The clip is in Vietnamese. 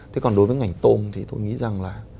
thế còn đối với ngành tôm thì tôi nghĩ rằng là